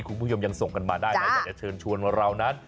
คุณผู้ยอมยังส่งกันมาได้นะอย่าเชิญชวนเรานะ